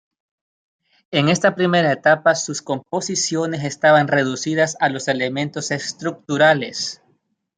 En esta primera etapa sus composiciones estaban reducidas a los elementos estructurales.